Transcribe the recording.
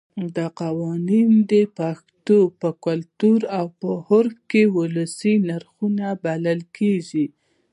دا قوانین د پښتنو په کلتور او عرف کې ولسي نرخونه بلل کېږي.